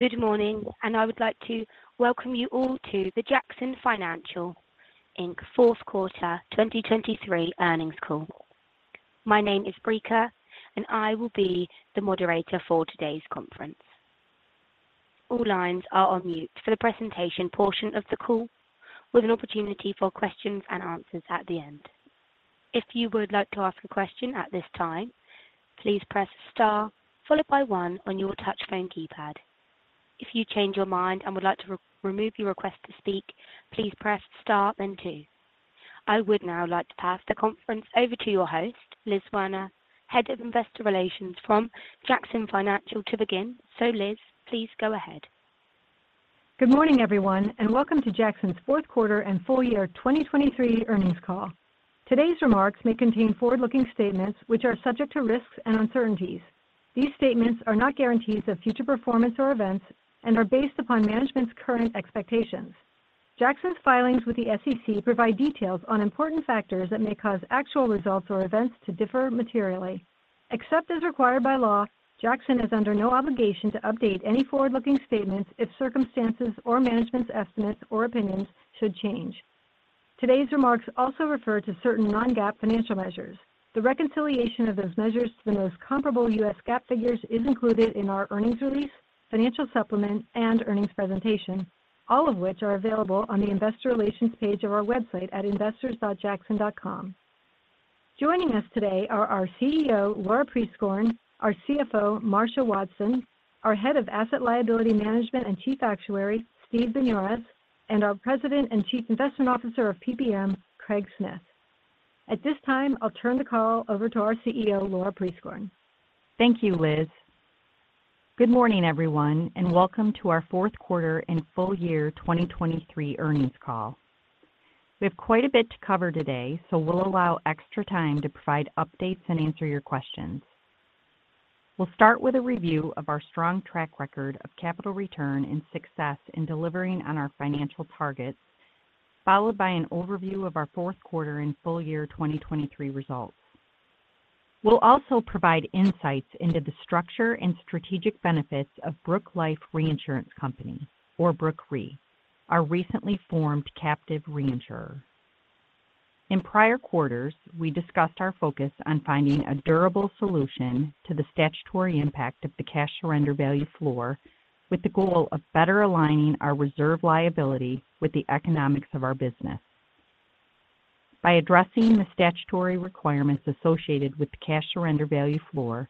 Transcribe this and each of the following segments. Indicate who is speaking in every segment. Speaker 1: Good morning, and I would like to welcome you all to the Jackson Financial Inc Fourth Quarter 2023 Earnings Call. My name is Breka, and I will be the moderator for today's conference. All lines are on mute for the presentation portion of the call, with an opportunity for questions and answers at the end. If you would like to ask a question at this time, please press star followed by one on your touchtone keypad. If you change your mind and would like to re-remove your request to speak, please press star then two. I would now like to pass the conference over to your host, Liz Werner, Head of Investor Relations, from Jackson Financial to begin. So Liz, please go ahead.
Speaker 2: Good morning, everyone, and welcome to Jackson's fourth quarter and full year 2023 earnings call. Today's remarks may contain forward-looking statements which are subject to risks and uncertainties. These statements are not guarantees of future performance or events and are based upon management's current expectations. Jackson's filings with the SEC provide details on important factors that may cause actual results or events to differ materially. Except as required by law, Jackson is under no obligation to update any forward-looking statements if circumstances or management's estimates or opinions should change. Today's remarks also refer to certain non-GAAP financial measures. The reconciliation of those measures to the most comparable U.S. GAAP figures is included in our earnings release, financial supplement, and earnings presentation, all of which are available on the Investor Relations page of our website at investors.jackson.com. Joining us today are our CEO, Laura Prieskorn, our CFO, Marcia Wadsten, our Head of Asset Liability Management and Chief Actuary, Steve Binioris, and our President and Chief Investment Officer of PPM, Craig Smith. At this time, I'll turn the call over to our CEO, Laura Prieskorn.
Speaker 3: Thank you, Liz. Good morning, everyone, and welcome to our fourth quarter and full year 2023 earnings call. We have quite a bit to cover today, so we'll allow extra time to provide updates and answer your questions. We'll start with a review of our strong track record of capital return and success in delivering on our financial targets, followed by an overview of our fourth quarter and full year 2023 results. We'll also provide insights into the structure and strategic benefits of Brooke Life Reinsurance Company, or Brooke Re, our recently formed captive reinsurer. In prior quarters, we discussed our focus on finding a durable solution to the statutory impact of the cash surrender value floor, with the goal of better aligning our reserve liability with the economics of our business. By addressing the statutory requirements associated with the cash surrender value floor,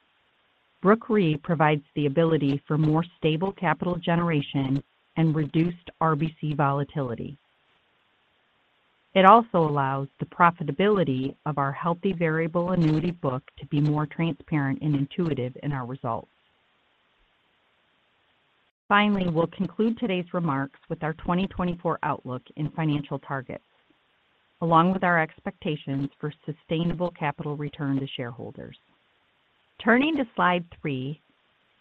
Speaker 3: Brooke Re provides the ability for more stable capital generation and reduced RBC volatility. It also allows the profitability of our healthy variable annuity book to be more transparent and intuitive in our results. Finally, we'll conclude today's remarks with our 2024 outlook in financial targets, along with our expectations for sustainable capital return to shareholders. Turning to slide three,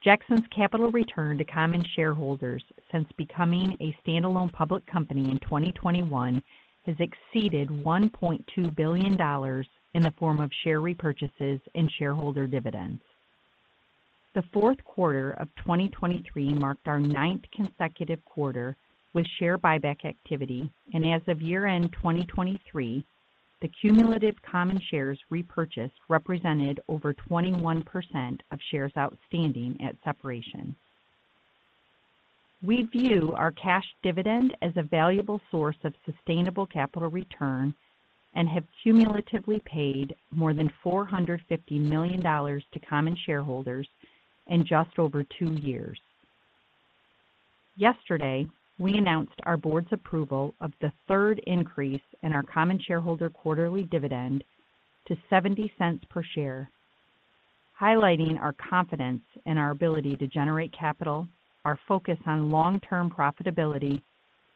Speaker 3: Jackson's capital return to common shareholders since becoming a standalone public company in 2021 has exceeded $1.2 billion in the form of share repurchases and shareholder dividends. The fourth quarter of 2023 marked our ninth consecutive quarter with share buyback activity, and as of year-end 2023, the cumulative common shares repurchased represented over 21% of shares outstanding at separation. We view our cash dividend as a valuable source of sustainable capital return and have cumulatively paid more than $450 million to common shareholders in just over two years. Yesterday, we announced our board's approval of the third increase in our common shareholder quarterly dividend to $0.70 per share, highlighting our confidence in our ability to generate capital, our focus on long-term profitability,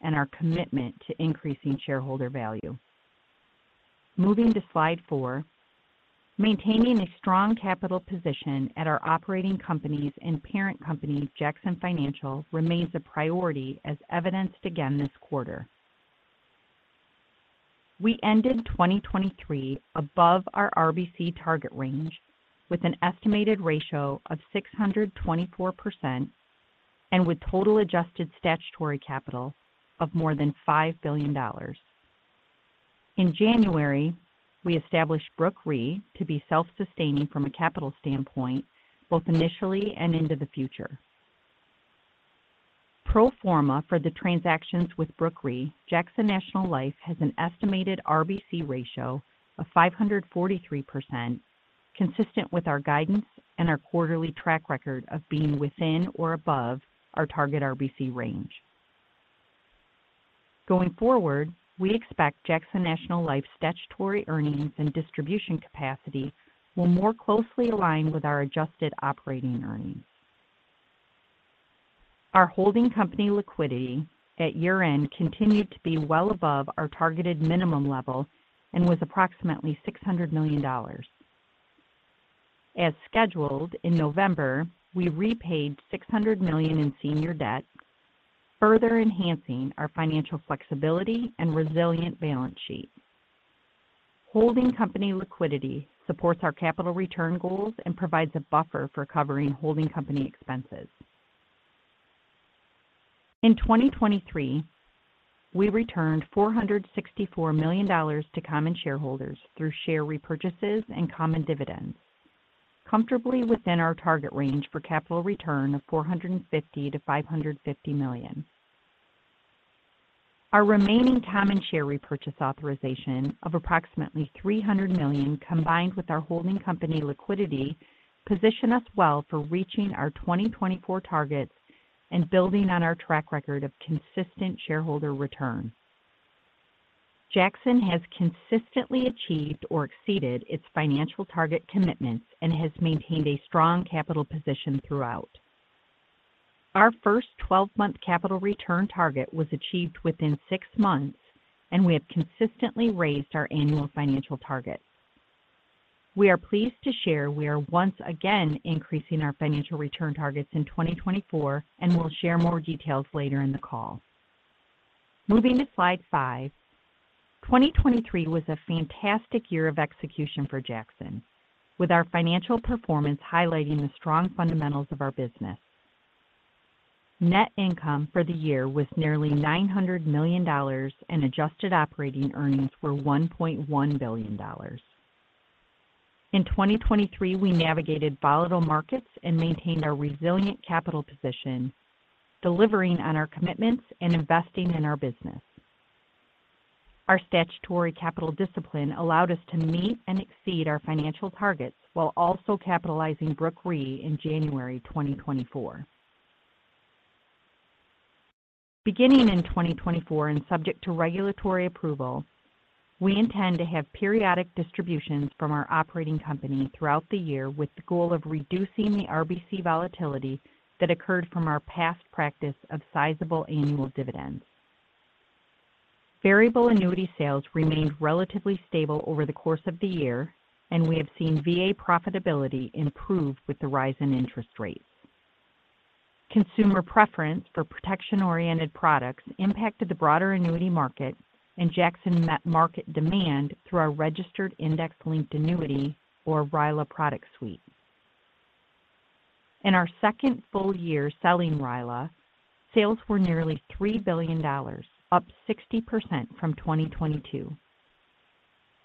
Speaker 3: and our commitment to increasing shareholder value. Moving to slide four, maintaining a strong capital position at our operating companies and parent company, Jackson Financial, remains a priority as evidenced again this quarter. We ended 2023 above our RBC target range with an estimated ratio of 624% and with total adjusted statutory capital of more than $5 billion. In January, we established Brooke Re to be self-sustaining from a capital standpoint, both initially and into the future. Pro forma for the transactions with Brooke Re, Jackson National Life has an estimated RBC ratio of 543%, consistent with our guidance and our quarterly track record of being within or above our target RBC range. Going forward, we expect Jackson National Life's statutory earnings and distribution capacity will more closely align with our adjusted operating earnings. Our holding company liquidity at year-end continued to be well above our targeted minimum level and was approximately $600 million. As scheduled in November, we repaid $600 million in senior debt, further enhancing our financial flexibility and resilient balance sheet. Holding company liquidity supports our capital return goals and provides a buffer for covering holding company expenses. In 2023, we returned $464 million to common shareholders through share repurchases and common dividends, comfortably within our target range for capital return of $450-$550 million. Our remaining common share repurchase authorization of approximately $300 million combined with our holding company liquidity position us well for reaching our 2024 targets and building on our track record of consistent shareholder return. Jackson has consistently achieved or exceeded its financial target commitments and has maintained a strong capital position throughout. Our first 12-month capital return target was achieved within six months, and we have consistently raised our annual financial targets. We are pleased to share we are once again increasing our financial return targets in 2024, and we'll share more details later in the call. Moving to Slide five, 2023 was a fantastic year of execution for Jackson, with our financial performance highlighting the strong fundamentals of our business. Net income for the year was nearly $900 million, and adjusted operating earnings were $1.1 billion. In 2023, we navigated volatile markets and maintained our resilient capital position, delivering on our commitments and investing in our business. Our statutory capital discipline allowed us to meet and exceed our financial targets while also capitalizing Brooke Re in January 2024. Beginning in 2024 and subject to regulatory approval, we intend to have periodic distributions from our operating company throughout the year with the goal of reducing the RBC volatility that occurred from our past practice of sizable annual dividends. Variable annuity sales remained relatively stable over the course of the year, and we have seen VA profitability improve with the rise in interest rates. Consumer preference for protection-oriented products impacted the broader annuity market and Jackson met market demand through our registered index-linked annuity, or RILA product suite. In our second full year selling RILA, sales were nearly $3 billion, up 60% from 2022.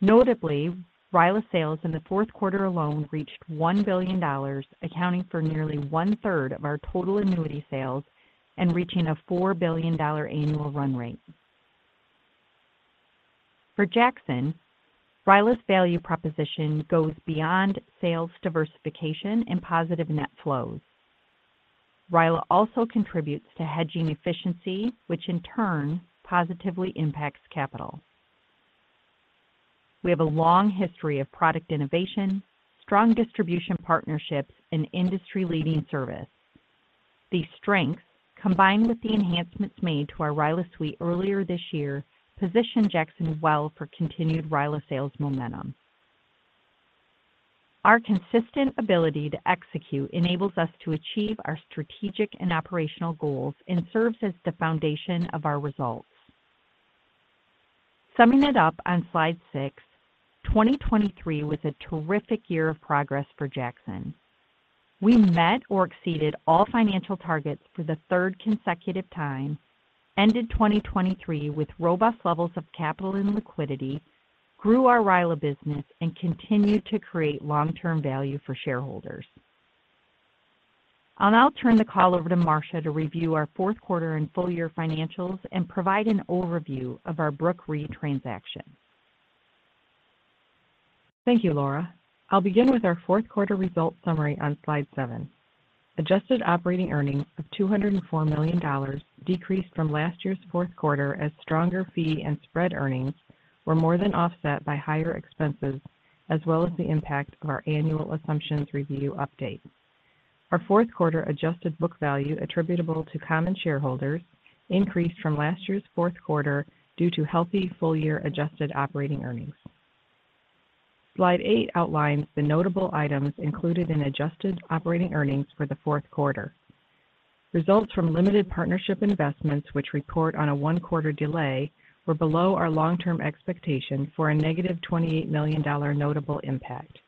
Speaker 3: Notably, RILA sales in the fourth quarter alone reached $1 billion, accounting for nearly one-third of our total annuity sales and reaching a $4 billion annual run rate. For Jackson, RILA's value proposition goes beyond sales diversification and positive net flows. RILA also contributes to hedging efficiency, which in turn positively impacts capital. We have a long history of product innovation, strong distribution partnerships, and industry-leading service. These strengths, combined with the enhancements made to our RILA suite earlier this year, position Jackson well for continued RILA sales momentum. Our consistent ability to execute enables us to achieve our strategic and operational goals and serves as the foundation of our results. Summing it up on slide six, 2023 was a terrific year of progress for Jackson. We met or exceeded all financial targets for the third consecutive time, ended 2023 with robust levels of capital and liquidity, grew our RILA business, and continued to create long-term value for shareholders. I'll now turn the call over to Marcia to review our fourth quarter and full year financials and provide an overview of our Brooke Re transaction.
Speaker 4: Thank you, Laura. I'll begin with our fourth quarter result summary on slide seven. Adjusted operating earnings of $204 million decreased from last year's fourth quarter as stronger fee and spread earnings were more than offset by higher expenses, as well as the impact of our annual assumptions review update. Our fourth quarter adjusted book value attributable to common shareholders increased from last year's fourth quarter due to healthy full year adjusted operating earnings. Slide eight outlines the notable items included in adjusted operating earnings for the fourth quarter. Results from limited partnership investments, which report on a one-quarter delay, were below our long-term expectation for a -$28 million notable impact.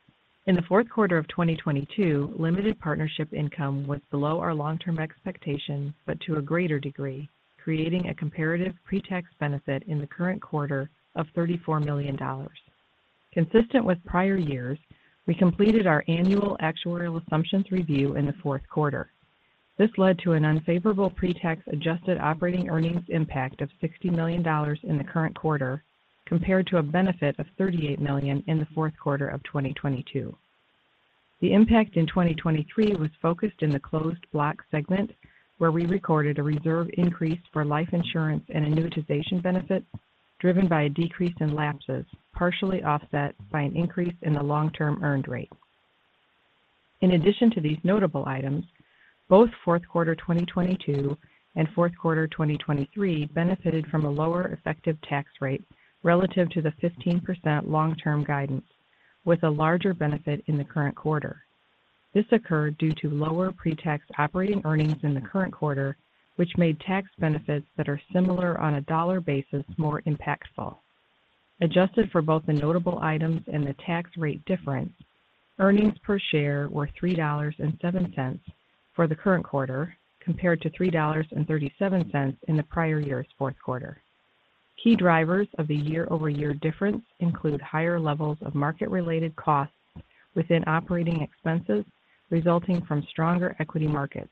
Speaker 4: In the fourth quarter of 2022, limited partnership income was below our long-term expectation but to a greater degree, creating a comparative pretax benefit in the current quarter of $34 million. Consistent with prior years, we completed our annual actuarial assumptions review in the fourth quarter. This led to an unfavorable pretax adjusted operating earnings impact of $60 million in the current quarter compared to a benefit of $38 million in the fourth quarter of 2022. The impact in 2023 was focused in the closed block segment, where we recorded a reserve increase for life insurance and annuitization benefit driven by a decrease in lapses, partially offset by an increase in the long-term earned rate. In addition to these notable items, both fourth quarter 2022 and fourth quarter 2023 benefited from a lower effective tax rate relative to the 15% long-term guidance, with a larger benefit in the current quarter. This occurred due to lower pretax operating earnings in the current quarter, which made tax benefits that are similar on a dollar basis more impactful. Adjusted for both the notable items and the tax rate difference, earnings per share were $3.07 for the current quarter compared to $3.37 in the prior year's fourth quarter. Key drivers of the year-over-year difference include higher levels of market-related costs within operating expenses resulting from stronger equity markets,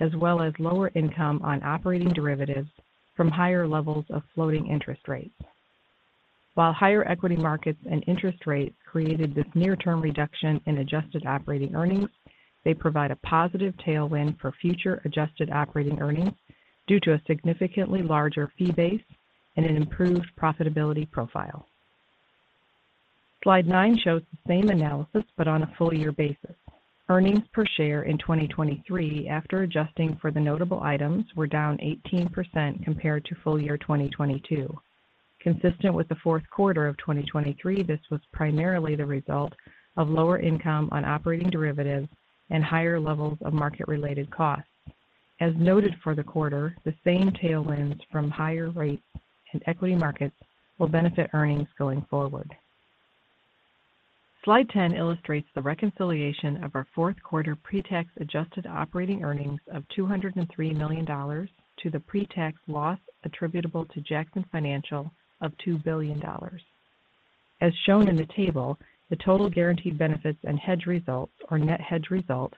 Speaker 4: as well as lower income on operating derivatives from higher levels of floating interest rates. While higher equity markets and interest rates created this near-term reduction in adjusted operating earnings, they provide a positive tailwind for future adjusted operating earnings due to a significantly larger fee base and an improved profitability profile. Slide 9 shows the same analysis but on a full year basis. Earnings per share in 2023, after adjusting for the notable items, were down 18% compared to full year 2022. Consistent with the fourth quarter of 2023, this was primarily the result of lower income on operating derivatives and higher levels of market-related costs. As noted for the quarter, the same tailwinds from higher rates and equity markets will benefit earnings going forward. Slide ten illustrates the reconciliation of our fourth quarter pretax Adjusted Operating Earnings of $203 million to the pretax loss attributable to Jackson Financial of $2 billion. As shown in the table, the total guaranteed benefits and hedge results, or net hedge result,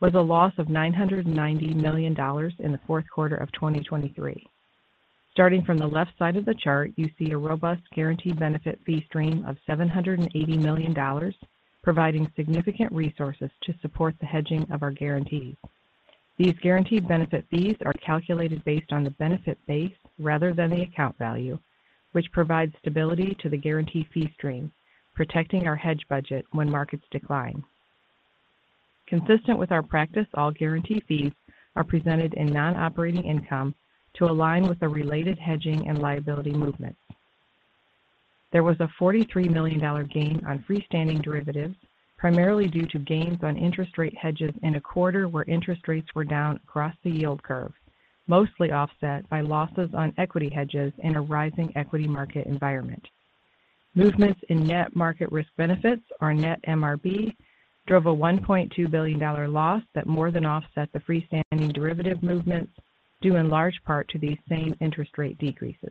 Speaker 4: was a loss of $990 million in the fourth quarter of 2023. Starting from the left side of the chart, you see a robust guaranteed benefit fee stream of $780 million, providing significant resources to support the hedging of our guarantees. These guaranteed benefit fees are calculated based on the benefit base rather than the account value, which provides stability to the guarantee fee stream, protecting our hedge budget when markets decline. Consistent with our practice, all guarantee fees are presented in non-operating income to align with the related hedging and liability movements. There was a $43 million gain on freestanding derivatives, primarily due to gains on interest rate hedges in a quarter where interest rates were down across the yield curve, mostly offset by losses on equity hedges in a rising equity market environment. Movements in net market risk benefits, or net MRB, drove a $1.2 billion loss that more than offset the freestanding derivative movements due in large part to these same interest rate decreases.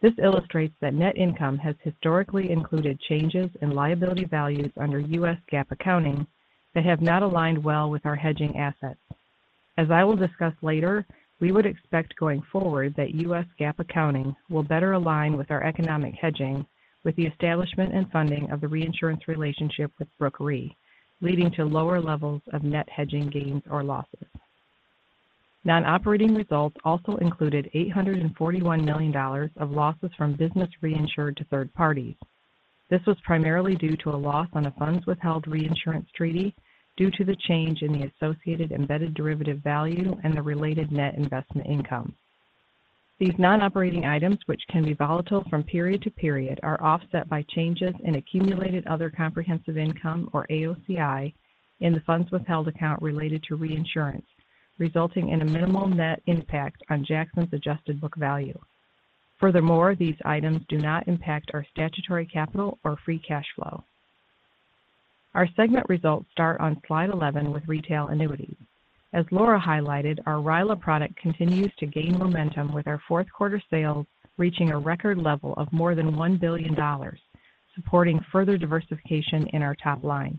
Speaker 4: This illustrates that net income has historically included changes in liability values under U.S. GAAP accounting that have not aligned well with our hedging assets. As I will discuss later, we would expect going forward that U.S. GAAP accounting will better align with our economic hedging with the establishment and funding of the reinsurance relationship with Brooke Re, leading to lower levels of net hedging gains or losses. Non-operating results also included $841 million of losses from business reinsured to third parties. This was primarily due to a loss on a funds-withheld reinsurance treaty due to the change in the associated embedded derivative value and the related net investment income. These non-operating items, which can be volatile from period to period, are offset by changes in accumulated other comprehensive income, or AOCI, in the funds-withheld account related to reinsurance, resulting in a minimal net impact on Jackson's adjusted book value. Furthermore, these items do not impact our statutory capital or free cash flow. Our segment results start on slide 11 with retail annuities. As Laura highlighted, our RILA product continues to gain momentum with our fourth quarter sales reaching a record level of more than $1 billion, supporting further diversification in our top line.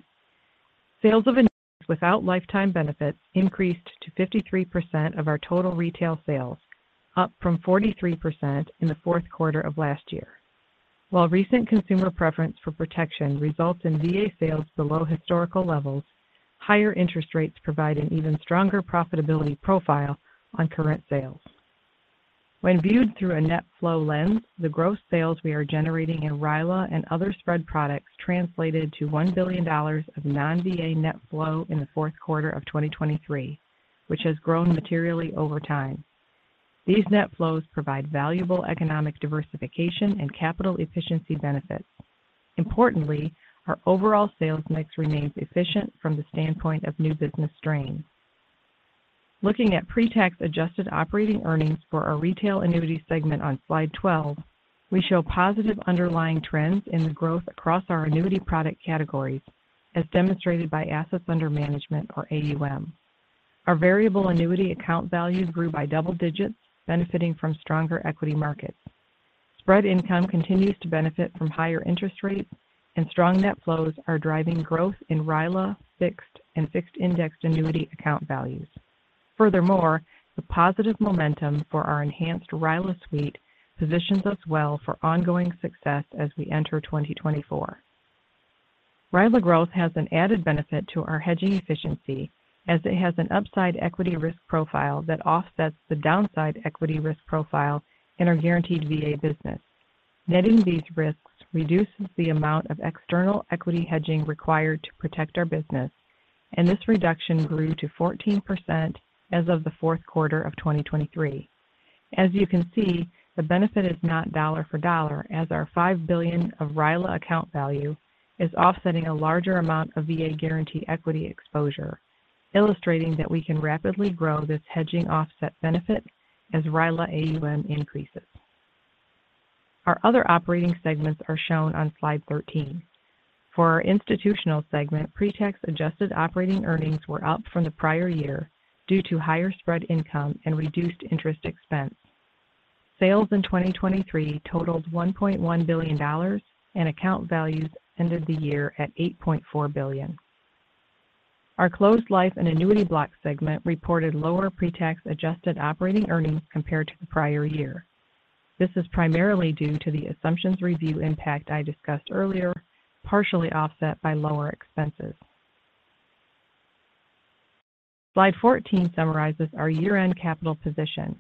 Speaker 4: Sales of annuities without lifetime benefits increased to 53% of our total retail sales, up from 43% in the fourth quarter of last year. While recent consumer preference for protection results in VA sales below historical levels, higher interest rates provide an even stronger profitability profile on current sales. When viewed through a net flow lens, the gross sales we are generating in RILA and other spread products translated to $1 billion of non-VA net flow in the fourth quarter of 2023, which has grown materially over time. These net flows provide valuable economic diversification and capital efficiency benefits. Importantly, our overall sales mix remains efficient from the standpoint of new business strain. Looking at pretax adjusted operating earnings for our retail annuities segment on slide 12, we show positive underlying trends in the growth across our annuity product categories, as demonstrated by Assets Under Management, or AUM. Our variable annuity account values grew by double digits, benefiting from stronger equity markets. Spread income continues to benefit from higher interest rates, and strong net flows are driving growth in RILA fixed and fixed indexed annuity account values. Furthermore, the positive momentum for our enhanced RILA suite positions us well for ongoing success as we enter 2024. RILA growth has an added benefit to our hedging efficiency, as it has an upside equity risk profile that offsets the downside equity risk profile in our guaranteed VA business. Netting these risks reduces the amount of external equity hedging required to protect our business, and this reduction grew to 14% as of the fourth quarter of 2023. As you can see, the benefit is not dollar for dollar, as our $5 billion of RILA account value is offsetting a larger amount of VA guarantee equity exposure, illustrating that we can rapidly grow this hedging offset benefit as RILA AUM increases. Our other operating segments are shown on slide 13. For our institutional segment, pretax adjusted operating earnings were up from the prior year due to higher spread income and reduced interest expense. Sales in 2023 totaled $1.1 billion, and account values ended the year at $8.4 billion. Our closed life and annuity block segment reported lower pretax adjusted operating earnings compared to the prior year. This is primarily due to the assumptions review impact I discussed earlier, partially offset by lower expenses. Slide 14 summarizes our year-end capital position.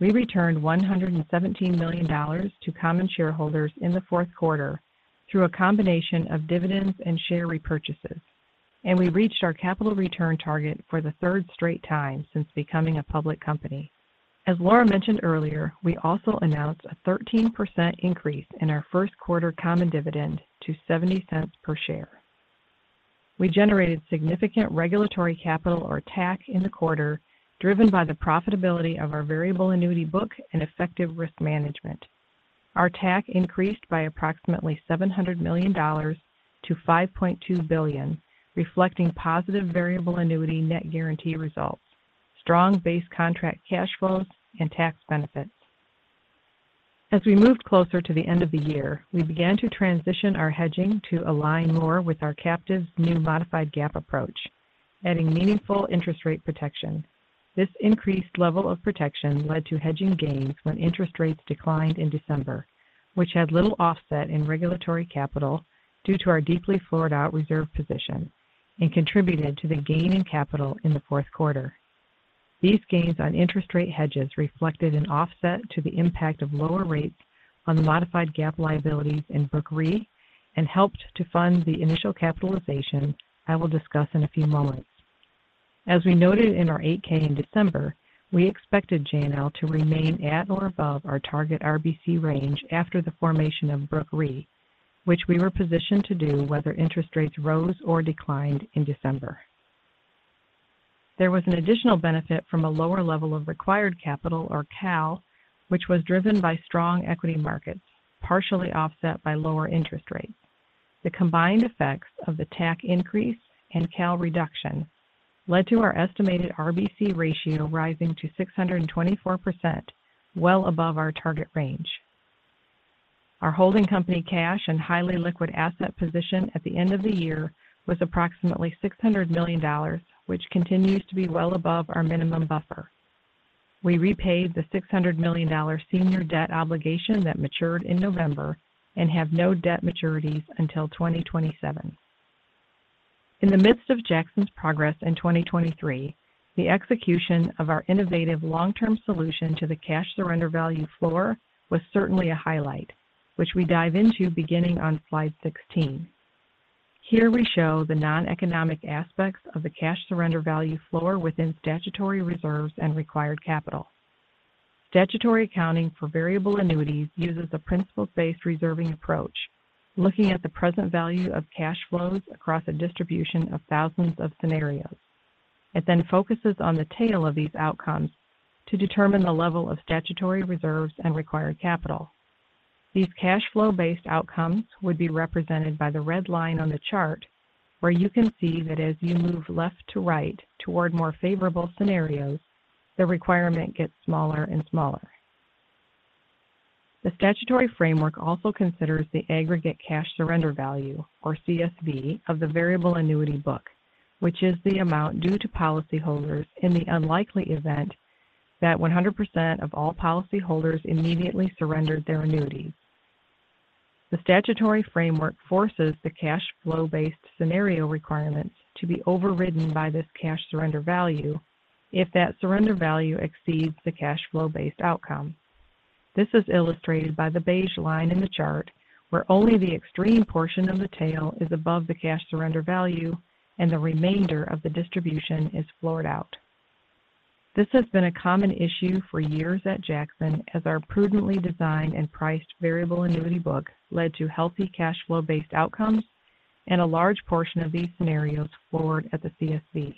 Speaker 4: We returned $117 million to common shareholders in the fourth quarter through a combination of dividends and share repurchases, and we reached our capital return target for the third straight time since becoming a public company. As Laura mentioned earlier, we also announced a 13% increase in our first quarter common dividend to $0.70 per share. We generated significant regulatory capital, or TAC, in the quarter, driven by the profitability of our variable annuity book and effective risk management. Our TAC increased by approximately $700 million to $5.2 billion, reflecting positive variable annuity net guarantee results, strong base contract cash flows, and tax benefits. As we moved closer to the end of the year, we began to transition our hedging to align more with our captive's new Modified GAAP approach, adding meaningful interest rate protection. This increased level of protection led to hedging gains when interest rates declined in December, which had little offset in regulatory capital due to our deeply floored-out reserve position and contributed to the gain in capital in the fourth quarter. These gains on interest rate hedges reflected an offset to the impact of lower rates on Modified GAAP liabilities in Brooke Re and helped to fund the initial capitalization I will discuss in a few moments. As we noted in our 8-K in December, we expected JNL to remain at or above our target RBC range after the formation of Brooke Re, which we were positioned to do whether interest rates rose or declined in December. There was an additional benefit from a lower level of required capital, or CAL, which was driven by strong equity markets, partially offset by lower interest rates. The combined effects of the TAC increase and CAL reduction led to our estimated RBC ratio rising to 624%, well above our target range. Our holding company cash and highly liquid asset position at the end of the year was approximately $600 million, which continues to be well above our minimum buffer. We repaid the $600 million senior debt obligation that matured in November and have no debt maturities until 2027. In the midst of Jackson's progress in 2023, the execution of our innovative long-term solution to the cash surrender value floor was certainly a highlight, which we dive into beginning on slide 16. Here we show the non-economic aspects of the cash surrender value floor within statutory reserves and required capital. Statutory accounting for variable annuities uses a principles-based reserving approach, looking at the present value of cash flows across a distribution of thousands of scenarios. It then focuses on the tail of these outcomes to determine the level of statutory reserves and required capital. These cash flow-based outcomes would be represented by the red line on the chart, where you can see that as you move left to right toward more favorable scenarios, the requirement gets smaller and smaller. The statutory framework also considers the aggregate cash surrender value, or CSV, of the variable annuity book, which is the amount due to policyholders in the unlikely event that 100% of all policyholders immediately surrendered their annuities. The statutory framework forces the cash flow-based scenario requirements to be overridden by this cash surrender value if that surrender value exceeds the cash flow-based outcome. This is illustrated by the beige line in the chart, where only the extreme portion of the tail is above the cash surrender value, and the remainder of the distribution is floored out. This has been a common issue for years at Jackson, as our prudently designed and priced variable annuity book led to healthy cash flow-based outcomes and a large portion of these scenarios floored at the CSV.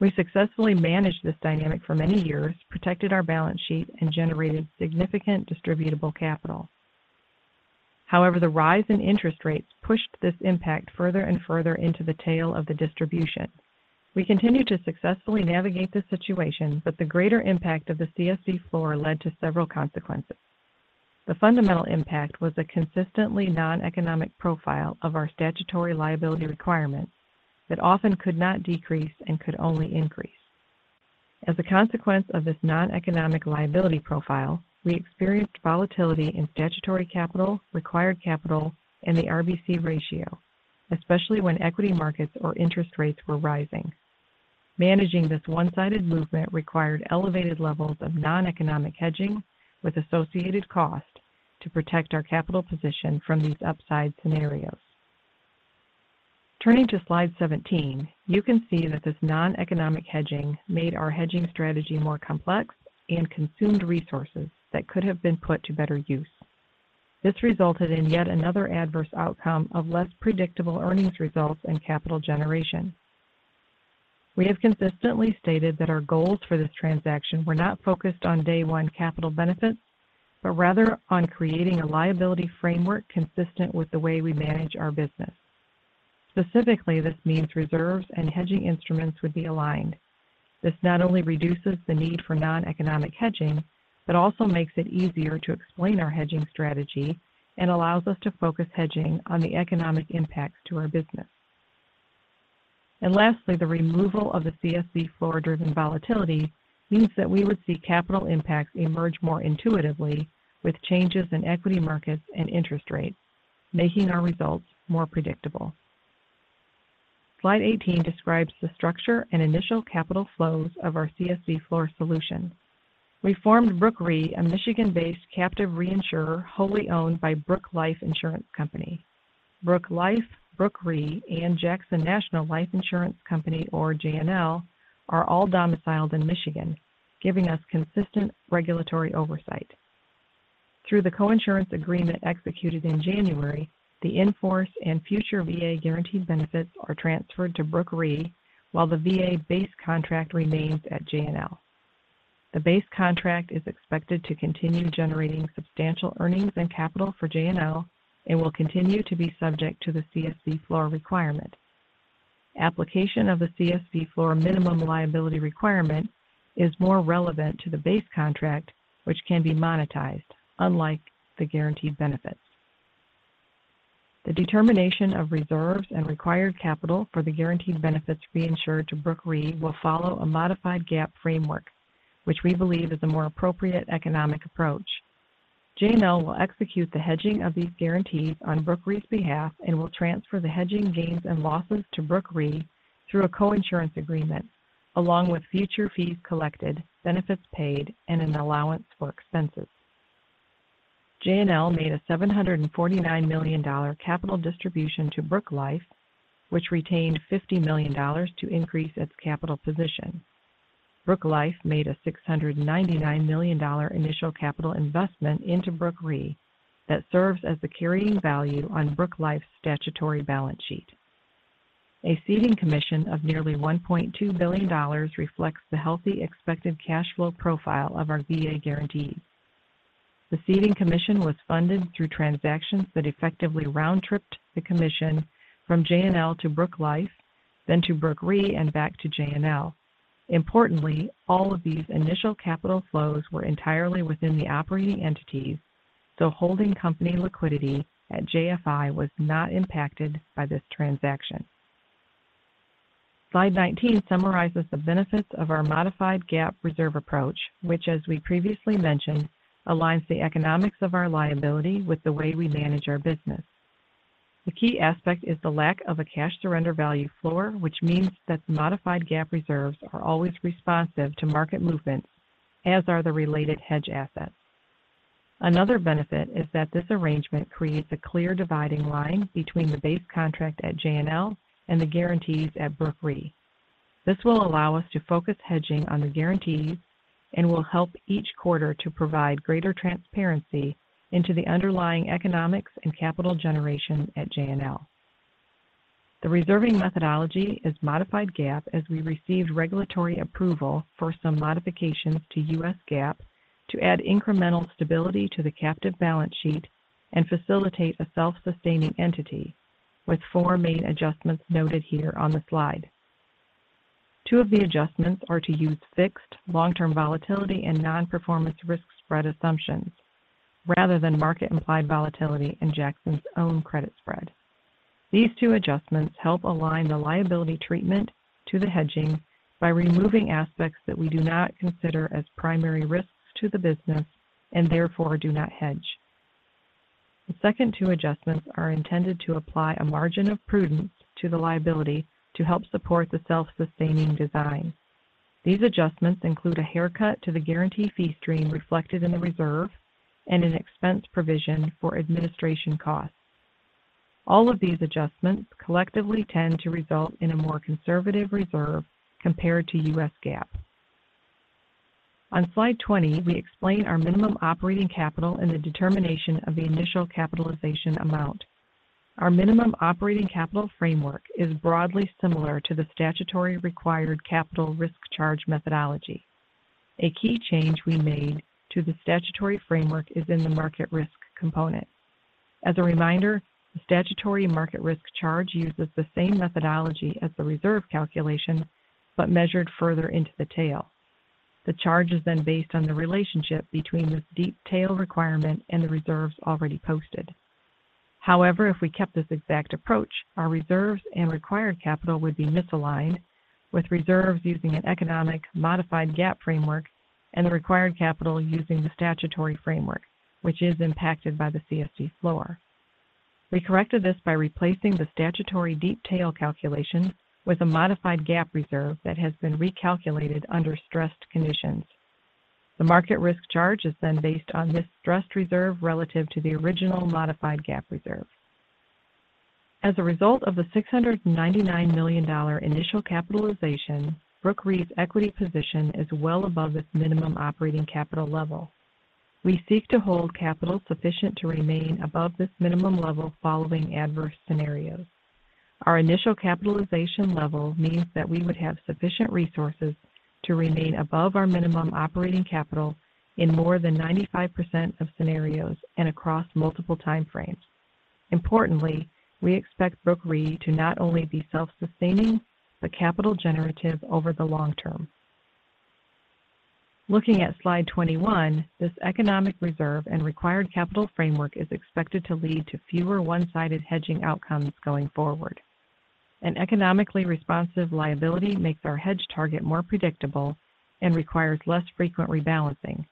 Speaker 4: We successfully managed this dynamic for many years, protected our balance sheet, and generated significant distributable capital. However, the rise in interest rates pushed this impact further and further into the tail of the distribution. We continued to successfully navigate this situation, but the greater impact of the CSV floor led to several consequences. The fundamental impact was a consistently non-economic profile of our statutory liability requirements that often could not decrease and could only increase. As a consequence of this non-economic liability profile, we experienced volatility in statutory capital, required capital, and the RBC ratio, especially when equity markets or interest rates were rising. Managing this one-sided movement required elevated levels of non-economic hedging with associated cost to protect our capital position from these upside scenarios. Turning to slide 17, you can see that this non-economic hedging made our hedging strategy more complex and consumed resources that could have been put to better use. This resulted in yet another adverse outcome of less predictable earnings results and capital generation. We have consistently stated that our goals for this transaction were not focused on day one capital benefits, but rather on creating a liability framework consistent with the way we manage our business. Specifically, this means reserves and hedging instruments would be aligned. This not only reduces the need for non-economic hedging, but also makes it easier to explain our hedging strategy and allows us to focus hedging on the economic impacts to our business. And lastly, the removal of the CSV floor-driven volatility means that we would see capital impacts emerge more intuitively with changes in equity markets and interest rates, making our results more predictable. Slide 18 describes the structure and initial capital flows of our CSV floor solution. We formed Brooke Re, a Michigan-based captive reinsurer wholly owned by Brooke Life Insurance Company. Brooke Life, Brooke Re, and Jackson National Life Insurance Company, or JNL, are all domiciled in Michigan, giving us consistent regulatory oversight. Through the coinsurance agreement executed in January, the in-force and future VA guaranteed benefits are transferred to Brooke Re, while the VA base contract remains at JNL. The base contract is expected to continue generating substantial earnings and capital for JNL and will continue to be subject to the CSV floor requirement. Application of the CSV floor minimum liability requirement is more relevant to the base contract, which can be monetized, unlike the guaranteed benefits. The determination of reserves and required capital for the guaranteed benefits reinsured to Brooke Re will follow a Modified GAAP framework, which we believe is a more appropriate economic approach. JNL will execute the hedging of these guarantees on Brooke Re's behalf and will transfer the hedging gains and losses to Brooke Re through a coinsurance agreement, along with future fees collected, benefits paid, and an allowance for expenses. JNL made a $749 million capital distribution to Brooke Life, which retained $50 million to increase its capital position. Brooke Life made a $699 million initial capital investment into Brooke Re that serves as the carrying value on Brooke Life's statutory balance sheet. A ceding commission of nearly $1.2 billion reflects the healthy expected cash flow profile of our VA guarantees. The ceding commission was funded through transactions that effectively round-tripped the commission from JNL to Brooke Life, then to Brooke Re, and back to JNL. Importantly, all of these initial capital flows were entirely within the operating entities, so holding company liquidity at JFI was not impacted by this transaction. Slide 19 summarizes the benefits of our modified GAAP reserve approach, which, as we previously mentioned, aligns the economics of our liability with the way we manage our business. The key aspect is the lack of a cash surrender value floor, which means that the modified GAAP reserves are always responsive to market movements, as are the related hedge assets. Another benefit is that this arrangement creates a clear dividing line between the base contract at JNL and the guarantees at Brooke Re. This will allow us to focus hedging on the guarantees and will help each quarter to provide greater transparency into the underlying economics and capital generation at JNL. The reserving methodology is modified GAAP as we received regulatory approval for some modifications to U.S. GAAP to add incremental stability to the captive balance sheet and facilitate a self-sustaining entity, with four main adjustments noted here on the slide. Two of the adjustments are to use fixed long-term volatility and non-performance risk spread assumptions rather than market-implied volatility in Jackson's own credit spread. These two adjustments help align the liability treatment to the hedging by removing aspects that we do not consider as primary risks to the business and therefore do not hedge. The second two adjustments are intended to apply a margin of prudence to the liability to help support the self-sustaining design. These adjustments include a haircut to the guarantee fee stream reflected in the reserve and an expense provision for administration costs. All of these adjustments collectively tend to result in a more conservative reserve compared to U.S. GAAP. On Slide 20, we explain our minimum operating capital and the determination of the initial capitalization amount. Our minimum operating capital framework is broadly similar to the statutory required capital risk charge methodology. A key change we made to the statutory framework is in the market risk component. As a reminder, the statutory market risk charge uses the same methodology as the reserve calculation, but measured further into the tail. The charge is then based on the relationship between this deep tail requirement and the reserves already posted. However, if we kept this exact approach, our reserves and required capital would be misaligned with reserves using an economic Modified GAAP framework and the required capital using the statutory framework, which is impacted by the CSV floor. We corrected this by replacing the statutory deep tail calculation with a Modified GAAP reserve that has been recalculated under stressed conditions. The market risk charge is then based on this stressed reserve relative to the original Modified GAAP reserve. As a result of the $699 million initial capitalization, Brooke Re's equity position is well above its minimum operating capital level. We seek to hold capital sufficient to remain above this minimum level following adverse scenarios. Our initial capitalization level means that we would have sufficient resources to remain above our minimum operating capital in more than 95% of scenarios and across multiple timeframes. Importantly, we expect Brooke Re to not only be self-sustaining but capital generative over the long term. Looking at slide 21, this economic reserve and required capital framework is expected to lead to fewer one-sided hedging outcomes going forward. An economically responsive liability makes our hedge target more predictable and requires less frequent rebalancing,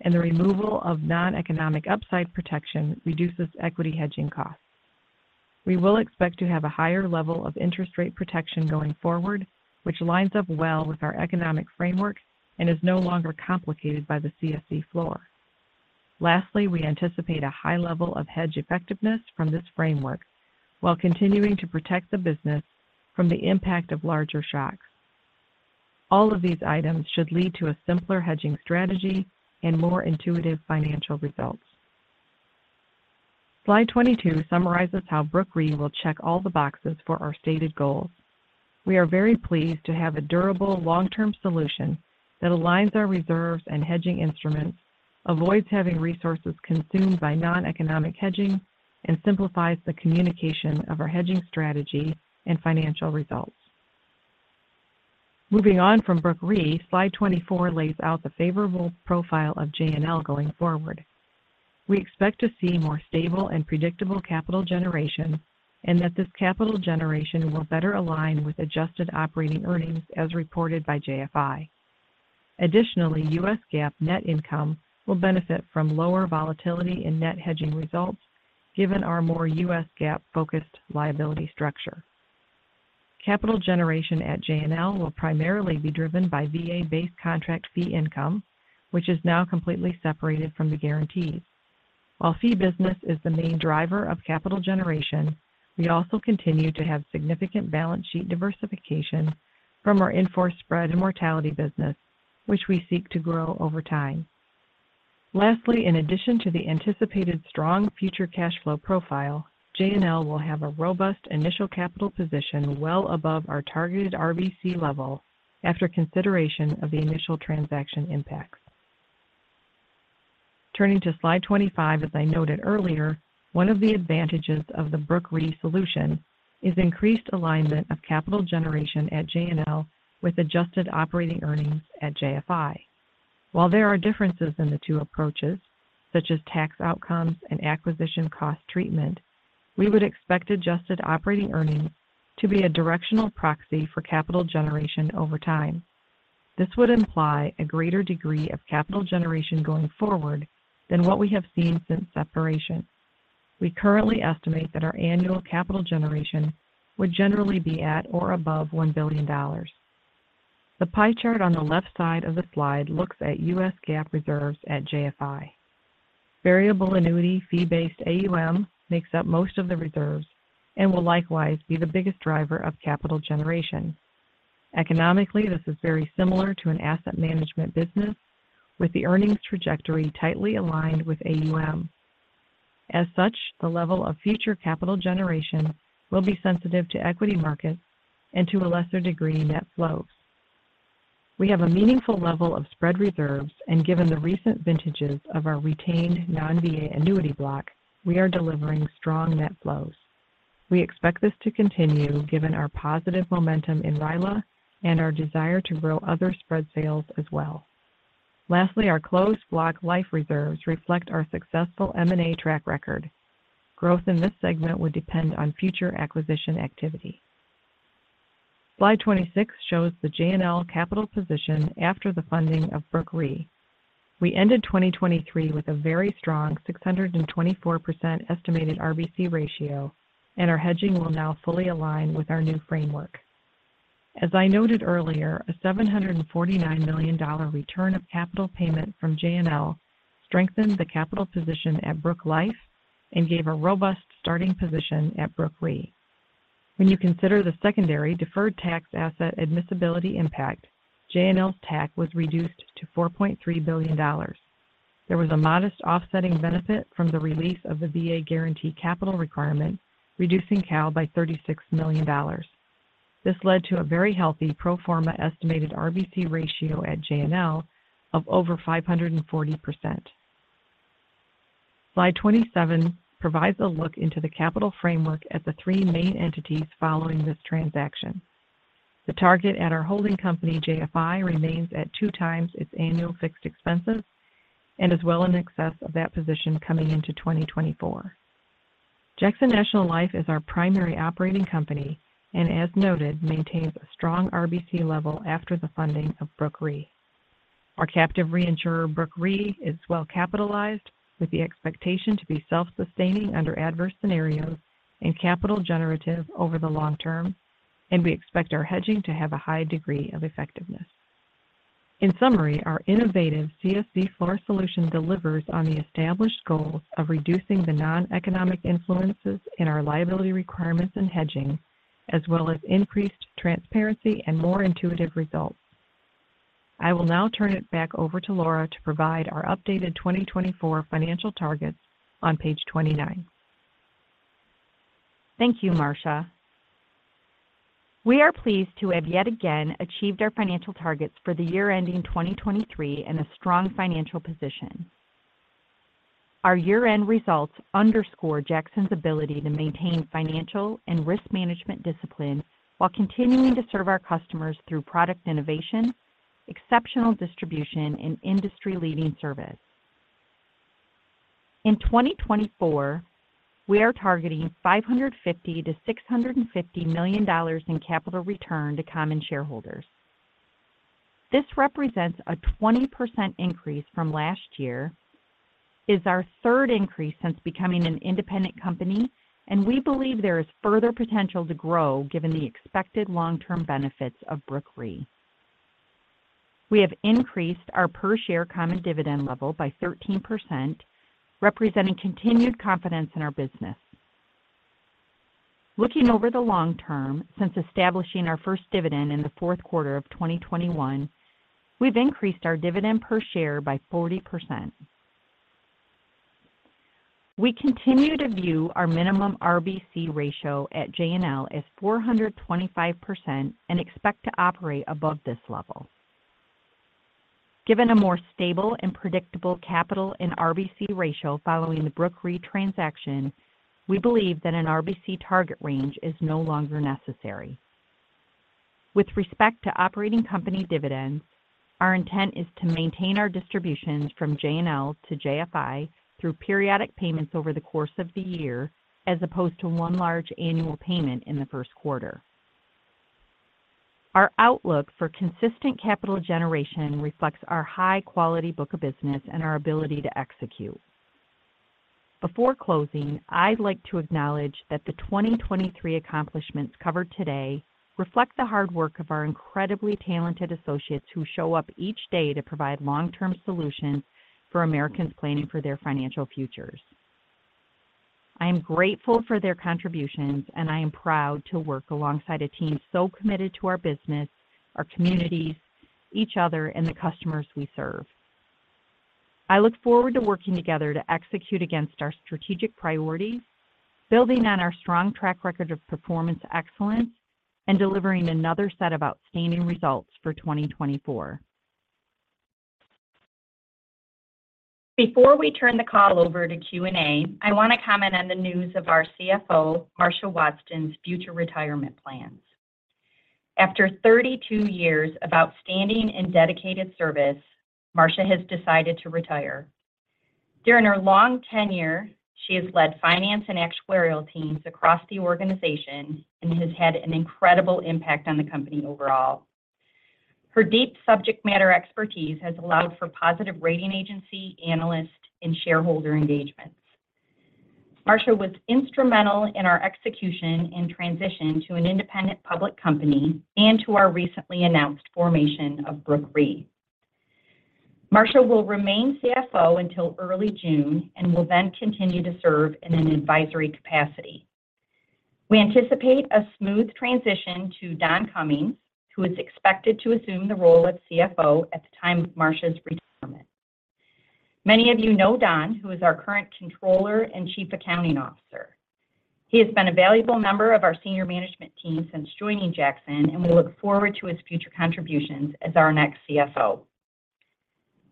Speaker 4: and the removal of non-economic upside protection reduces equity hedging costs. We will expect to have a higher level of interest rate protection going forward, which lines up well with our economic framework and is no longer complicated by the CSV floor. Lastly, we anticipate a high level of hedge effectiveness from this framework while continuing to protect the business from the impact of larger shocks. All of these items should lead to a simpler hedging strategy and more intuitive financial results. Slide 22 summarizes how Brooke Re will check all the boxes for our stated goals. We are very pleased to have a durable long-term solution that aligns our reserves and hedging instruments, avoids having resources consumed by non-economic hedging, and simplifies the communication of our hedging strategy and financial results. Moving on from Brooke Re, slide 24 lays out the favorable profile of JNL going forward. We expect to see more stable and predictable capital generation and that this capital generation will better align with adjusted operating earnings as reported by JFI. Additionally, U.S. GAAP net income will benefit from lower volatility in net hedging results given our more U.S. GAAP-focused liability structure. Capital generation at JNL will primarily be driven by VA-based contract fee income, which is now completely separated from the guarantees. While fee business is the main driver of capital generation, we also continue to have significant balance sheet diversification from our in-force spread and mortality business, which we seek to grow over time. Lastly, in addition to the anticipated strong future cash flow profile, JNL will have a robust initial capital position well above our targeted RBC level after consideration of the initial transaction impacts. Turning to slide 25, as I noted earlier, one of the advantages of the Brooke Re solution is increased alignment of capital generation at JNL with adjusted operating earnings at JFI. While there are differences in the two approaches, such as tax outcomes and acquisition cost treatment, we would expect adjusted operating earnings to be a directional proxy for capital generation over time. This would imply a greater degree of capital generation going forward than what we have seen since separation. We currently estimate that our annual capital generation would generally be at or above $1 billion. The pie chart on the left side of the slide looks at U.S. GAAP reserves at JFI. Variable annuity fee-based AUM makes up most of the reserves and will likewise be the biggest driver of capital generation. Economically, this is very similar to an asset management business with the earnings trajectory tightly aligned with AUM. As such, the level of future capital generation will be sensitive to equity markets and to a lesser degree net flows. We have a meaningful level of spread reserves, and given the recent vintages of our retained non-VA annuity block, we are delivering strong net flows. We expect this to continue given our positive momentum in RILA and our desire to grow other spread sales as well. Lastly, our closed block life reserves reflect our successful M&A track record. Growth in this segment would depend on future acquisition activity. Slide 26 shows the JNL capital position after the funding of Brooke Re. We ended 2023 with a very strong 624% estimated RBC ratio, and our hedging will now fully align with our new framework. As I noted earlier, a $749 million return of capital payment from JNL strengthened the capital position at Brooke Life and gave a robust starting position at Brooke Re. When you consider the secondary deferred tax asset admissibility impact, JNL's TAC was reduced to $4.3 billion. There was a modest offsetting benefit from the release of the VA guarantee capital requirement, reducing CAL by $36 million. This led to a very healthy pro forma estimated RBC ratio at JNL of over 540%. Slide 27 provides a look into the capital framework at the three main entities following this transaction. The target at our holding company, JFI, remains at two times its annual fixed expenses and is well in excess of that position coming into 2024. Jackson National Life is our primary operating company and, as noted, maintains a strong RBC level after the funding of Brooke Re. Our captive reinsurer, Brooke Re, is well capitalized with the expectation to be self-sustaining under adverse scenarios and capital generative over the long term, and we expect our hedging to have a high degree of effectiveness. In summary, our innovative CSV floor solution delivers on the established goals of reducing the non-economic influences in our liability requirements and hedging, as well as increased transparency and more intuitive results. I will now turn it back over to Laura to provide our updated 2024 financial targets on page 29.
Speaker 3: Thank you, Marcia. We are pleased to have yet again achieved our financial targets for the year ending 2023 in a strong financial position. Our year-end results underscore Jackson's ability to maintain financial and risk management discipline while continuing to serve our customers through product innovation, exceptional distribution, and industry-leading service. In 2024, we are targeting $550-$650 million in capital return to common shareholders. This represents a 20% increase from last year, is our third increase since becoming an independent company, and we believe there is further potential to grow given the expected long-term benefits of Brooke Re. We have increased our per-share common dividend level by 13%, representing continued confidence in our business. Looking over the long term, since establishing our first dividend in the fourth quarter of 2021, we've increased our dividend per share by 40%. We continue to view our minimum RBC ratio at JNL as 425% and expect to operate above this level. Given a more stable and predictable capital and RBC ratio following the Brooke Re transaction, we believe that an RBC target range is no longer necessary. With respect to operating company dividends, our intent is to maintain our distributions from JNL to JFI through periodic payments over the course of the year as opposed to one large annual payment in the first quarter. Our outlook for consistent capital generation reflects our high-quality book of business and our ability to execute. Before closing, I'd like to acknowledge that the 2023 accomplishments covered today reflect the hard work of our incredibly talented associates who show up each day to provide long-term solutions for Americans planning for their financial futures. I am grateful for their contributions, and I am proud to work alongside a team so committed to our business, our communities, each other, and the customers we serve. I look forward to working together to execute against our strategic priorities, building on our strong track record of performance excellence, and delivering another set of outstanding results for 2024.
Speaker 2: Before we turn the call over to Q&A, I want to comment on the news of our CFO, Marcia Wadsten's future retirement plans. After 32 years of outstanding and dedicated service, Marcia has decided to retire. During her long tenure, she has led finance and actuarial teams across the organization and has had an incredible impact on the company overall. Her deep subject matter expertise has allowed for positive rating agency, analyst, and shareholder engagements. Marcia was instrumental in our execution and transition to an independent public company and to our recently announced formation of Brooke Re. Marcia will remain CFO until early June and will then continue to serve in an advisory capacity. We anticipate a smooth transition to Don Cummings, who is expected to assume the role of CFO at the time of Marcia's retirement. Many of you know Don, who is our current controller and chief accounting officer. He has been a valuable member of our senior management team since joining Jackson, and we look forward to his future contributions as our next CFO.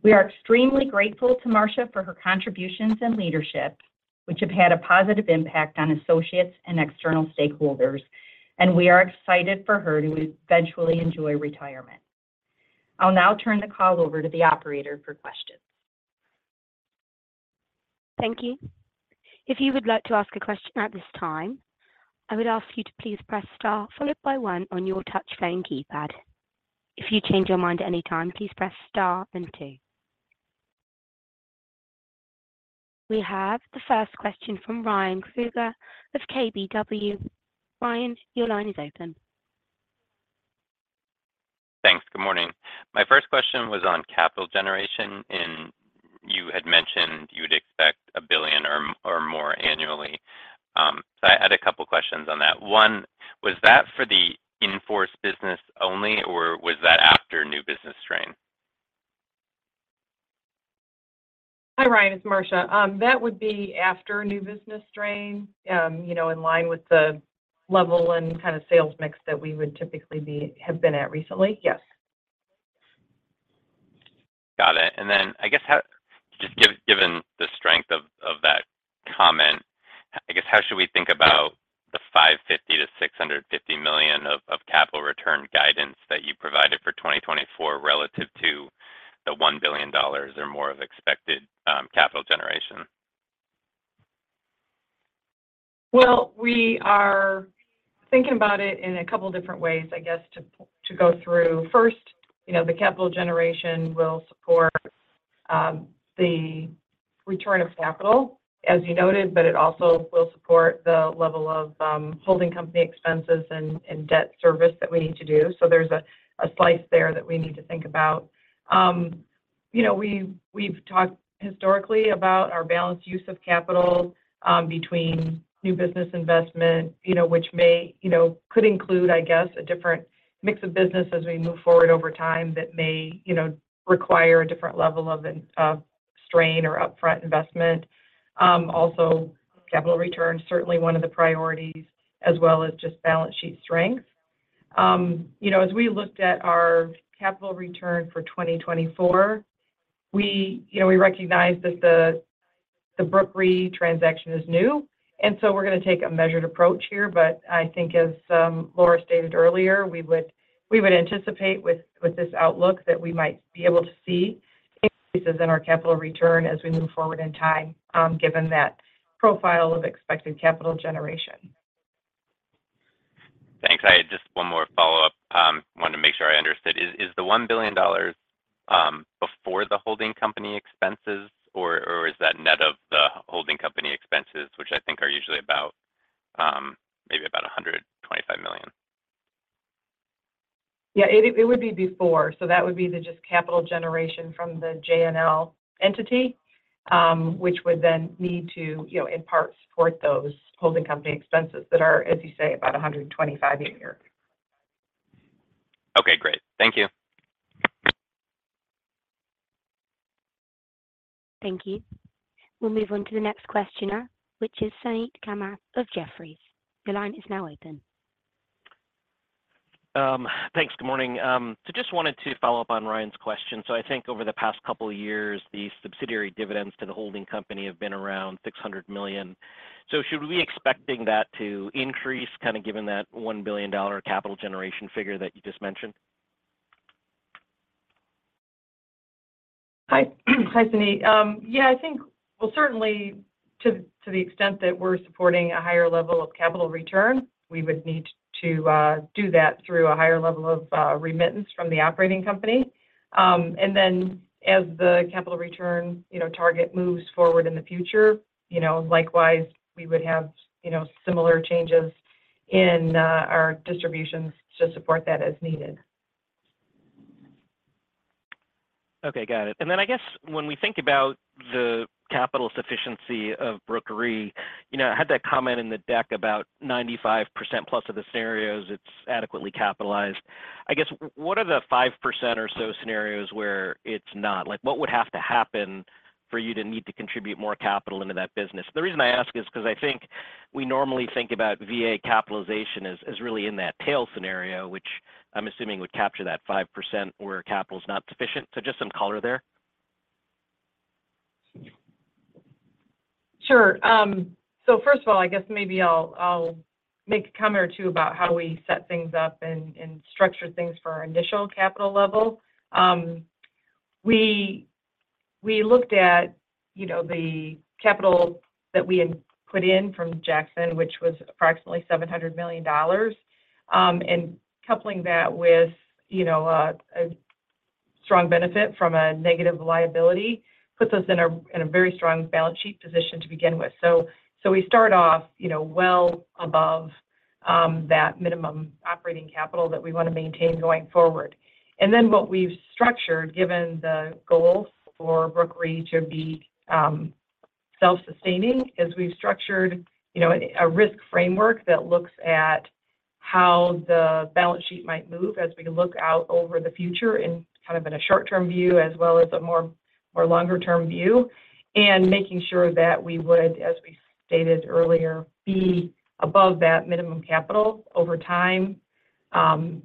Speaker 2: We are extremely grateful to Marcia for her contributions and leadership, which have had a positive impact on associates and external stakeholders, and we are excited for her to eventually enjoy retirement. I'll now turn the call over to the operator for questions.
Speaker 1: Thank you. If you would like to ask a question at this time, I would ask you to please press star, followed by one, on your touchscreen keypad. If you change your mind at any time, please press star, then two. We have the first question from Ryan Krueger of KBW. Ryan, your line is open. Thanks. Good morning.
Speaker 5: My first question was on capital generation, and you had mentioned you would expect $1 billion or more annually. So I had a couple of questions on that. One, was that for the in-force business only, or was that after new business strain?
Speaker 4: Hi, Ryan. It's Marcia. That would be after new business strain, in line with the level and kind of sales mix that we would typically have been at recently. Yes.
Speaker 5: Got it. And then I guess, just given the strength of that comment, I guess how should we think about the $550-$650 million of capital return guidance that you provided for 2024 relative to the $1 billion or more of expected capital generation?
Speaker 4: Well, we are thinking about it in a couple of different ways, I guess, to go through. First, the capital generation will support the return of capital, as you noted, but it also will support the level of holding company expenses and debt service that we need to do. So there's a slice there that we need to think about. We've talked historically about our balanced use of capital between new business investment, which could include, I guess, a different mix of business as we move forward over time that may require a different level of strain or upfront investment. Also, capital return, certainly one of the priorities, as well as just balance sheet strength. As we looked at our capital return for 2024, we recognize that the Brooke Re transaction is new, and so we're going to take a measured approach here. But I think, as Laura stated earlier, we would anticipate with this outlook that we might be able to see increases in our capital return as we move forward in time, given that profile of expected capital generation.
Speaker 5: Thanks. Just one more follow-up. I wanted to make sure I understood. Is the $1 billion before the holding company expenses, or is that net of the holding company expenses, which I think are usually maybe about $125 million?
Speaker 4: Yeah, it would be before. So that would be the just capital generation from the JNL entity, which would then need to, in part, support those holding company expenses that are, as you say, about $125 a year.
Speaker 5: Okay. Great. Thank you.
Speaker 1: Thank you. We'll move on to the next questioner, which is Suneet Kamath of Jefferies. Your line is now open.
Speaker 6: Thanks. Good morning. So just wanted to follow up on Ryan's question. So I think over the past couple of years, the subsidiary dividends to the holding company have been around $600 million. So should we be expecting that to increase, kind of given that $1 billion capital generation figure that you just mentioned?
Speaker 4: Hi, Suneet. Yeah, I think, well, certainly, to the extent that we're supporting a higher level of capital return, we would need to do that through a higher level of remittance from the operating company. And then as the capital return target moves forward in the future, likewise, we would have similar changes in our distributions to support that as needed.
Speaker 6: Okay. Got it. And then I guess when we think about the capital sufficiency of Brooke Re, I had that comment in the deck about 95%+ of the scenarios it's adequately capitalized. I guess what are the 5% or so scenarios where it's not? What would have to happen for you to need to contribute more capital into that business? The reason I ask is because I think we normally think about VA capitalization as really in that tail scenario, which I'm assuming would capture that 5% where capital's not sufficient. So just some color there.
Speaker 4: Sure. So first of all, I guess maybe I'll make a comment or two about how we set things up and structure things for our initial capital level. We looked at the capital that we put in from Jackson, which was approximately $700 million, and coupling that with a strong benefit from a negative liability puts us in a very strong balance sheet position to begin with. So we start off well above that minimum operating capital that we want to maintain going forward. Then what we've structured, given the goal for Brooke Re to be self-sustaining, is we've structured a risk framework that looks at how the balance sheet might move as we look out over the future in kind of a short-term view as well as a more longer-term view, and making sure that we would, as we stated earlier, be above that minimum capital over time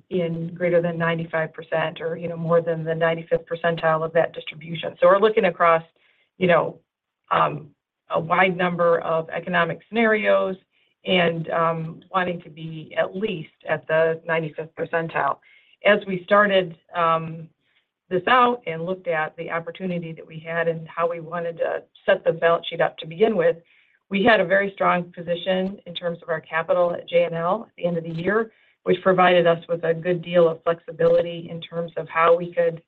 Speaker 4: in greater than 95% or more than the 95th percentile of that distribution. We're looking across a wide number of economic scenarios and wanting to be at least at the 95th percentile. As we started this out and looked at the opportunity that we had and how we wanted to set the balance sheet up to begin with, we had a very strong position in terms of our capital at JNL at the end of the year, which provided us with a good deal of flexibility in terms of how we could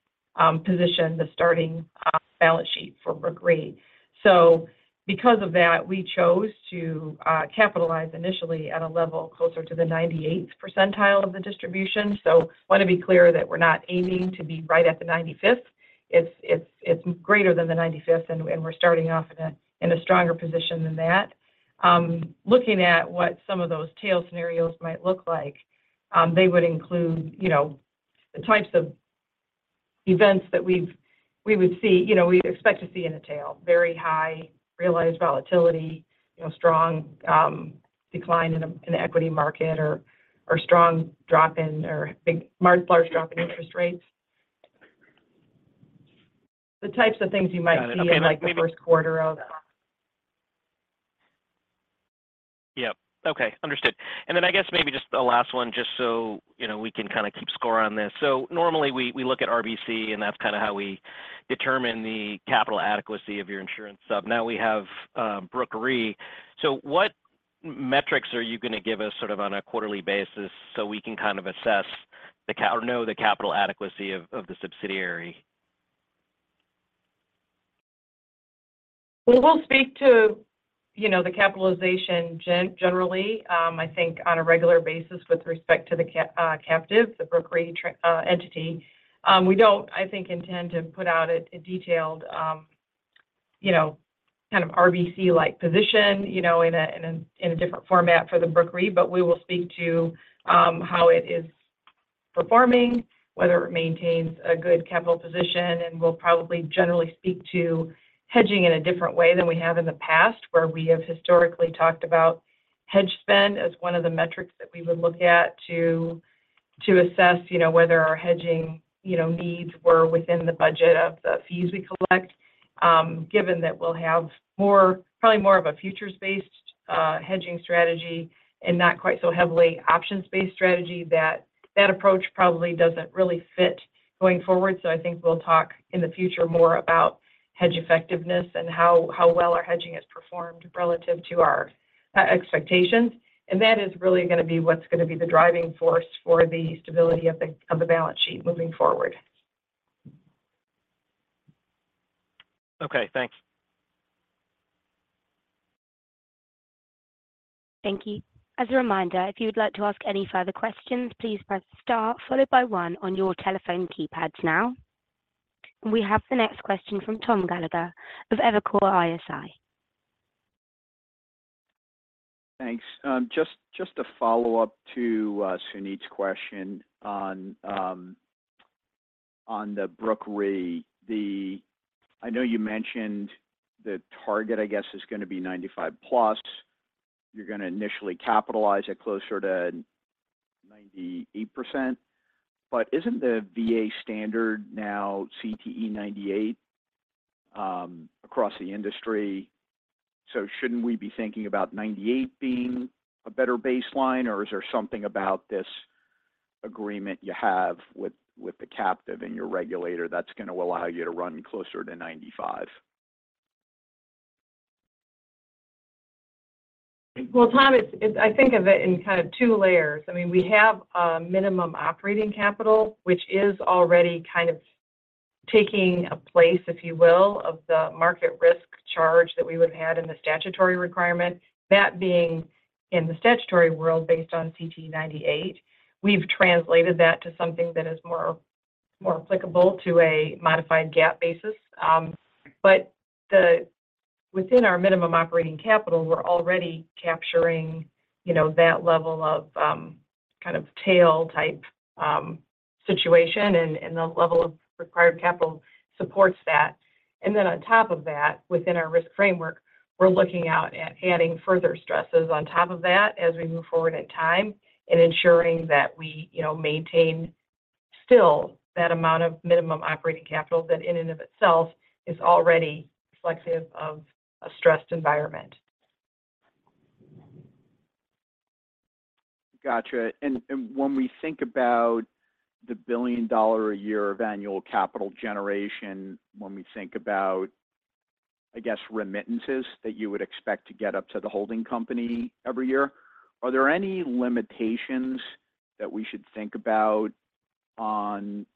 Speaker 4: position the starting balance sheet for Brooke Re. So because of that, we chose to capitalize initially at a level closer to the 98th percentile of the distribution. So I want to be clear that we're not aiming to be right at the 95th. It's greater than the 95th, and we're starting off in a stronger position than that. Looking at what some of those tail scenarios might look like, they would include the types of events that we would see we expect to see in a tail: very high realized volatility, strong decline in the equity market, or strong drop in or large drop in interest rates. The types of things you might see in the first quarter of.
Speaker 6: Yep. Okay. Understood. And then I guess maybe just the last one, just so we can kind of keep score on this. So normally, we look at RBC, and that's kind of how we determine the capital adequacy of your insurance sub. Now we have Brooke Re. So what metrics are you going to give us sort of on a quarterly basis so we can kind of assess or know the capital adequacy of the subsidiary?
Speaker 4: Well, we'll speak to the capitalization generally, I think, on a regular basis with respect to the captive, the Brooke Re entity. We don't, I think, intend to put out a detailed kind of RBC-like position in a different format for the Brooke Re, but we will speak to how it is performing, whether it maintains a good capital position, and we'll probably generally speak to hedging in a different way than we have in the past, where we have historically talked about hedge spend as one of the metrics that we would look at to assess whether our hedging needs were within the budget of the fees we collect. Given that we'll have probably more of a futures-based hedging strategy and not quite so heavily options-based strategy, that approach probably doesn't really fit going forward. So I think we'll talk in the future more about hedge effectiveness and how well our hedging has performed relative to our expectations. And that is really going to be what's going to be the driving force for the stability of the balance sheet moving forward.
Speaker 6: Okay. Thanks.
Speaker 1: Thank you. As a reminder, if you would like to ask any further questions, please press star, followed by one, on your telephone keypads now. And we have the next question from Tom Gallagher of Evercore ISI.
Speaker 7: Thanks. Just a follow-up to Suneet's question on the Brooke Re. I know you mentioned the target, I guess, is going to be 95+. You're going to initially capitalize at closer to 98%. But isn't the VA standard now CTE 98 across the industry? So shouldn't we be thinking about 98 being a better baseline, or is there something about this agreement you have with the captive and your regulator that's going to allow you to run closer to 95?
Speaker 4: Well, Tom, I think of it in kind of two layers. I mean, we have minimum operating capital, which is already kind of taking a place, if you will, of the market risk charge that we would have had in the statutory requirement. That being in the statutory world based on CTE 98, we've translated that to something that is more applicable to a modified GAAP basis. But within our minimum operating capital, we're already capturing that level of kind of tail-type situation, and the level of required capital supports that. Then on top of that, within our risk framework, we're looking out at adding further stresses on top of that as we move forward in time and ensuring that we maintain still that amount of minimum operating capital that in and of itself is already reflective of a stressed environment.
Speaker 7: Gotcha. And when we think about the $1 billion a year of annual capital generation, when we think about, I guess, remittances that you would expect to get up to the holding company every year, are there any limitations that we should think about on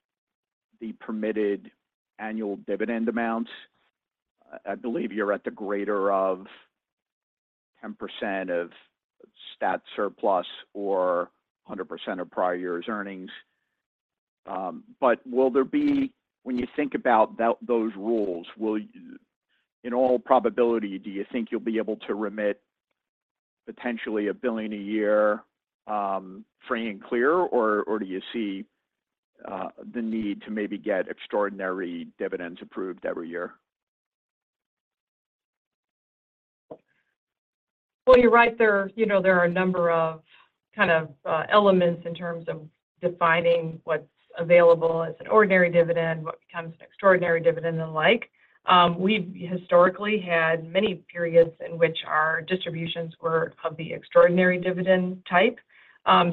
Speaker 7: the permitted annual dividend amounts? I believe you're at the greater of 10% of stat surplus or 100% of prior year's earnings. But will there be when you think about those rules, in all probability, do you think you'll be able to remit potentially $1 billion a year free and clear, or do you see the need to maybe get extraordinary dividends approved every year?
Speaker 4: Well, you're right. There are a number of kind of elements in terms of defining what's available as an ordinary dividend, what becomes an extraordinary dividend, and the like. We've historically had many periods in which our distributions were of the extraordinary dividend type.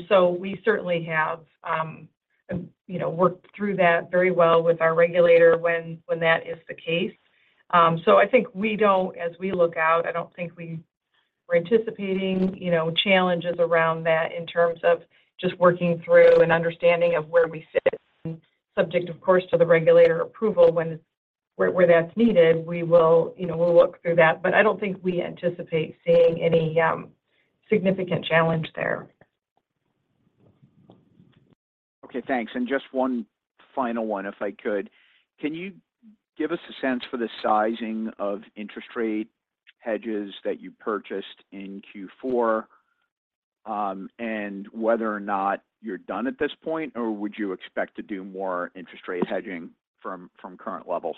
Speaker 4: So we certainly have worked through that very well with our regulator when that is the case. So I think we don't as we look out, I don't think we're anticipating challenges around that in terms of just working through and understanding of where we sit. Subject, of course, to the regulator approval where that's needed, we'll look through that. But I don't think we anticipate seeing any significant challenge there.
Speaker 7: Okay. Thanks. And just one final one, if I could. Can you give us a sense for the sizing of interest rate hedges that you purchased in Q4 and whether or not you're done at this point, or would you expect to do more interest rate hedging from current levels?